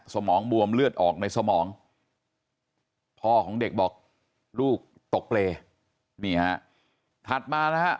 สมองบวมเลือดออกในสมองพ่อของเด็กบอกลูกตกเปรย์นี่ฮะถัดมานะฮะ